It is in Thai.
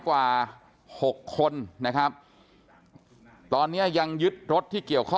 กว่า๖คนนะครับตอนนี้ยังยึดรถที่เกี่ยวข้อง